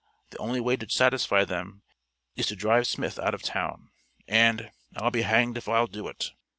The only way to satisfy them in to drive Smith out of town, and I'll be hanged if I'll do it!